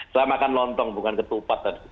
saya makan lontong bukan ketupat tadi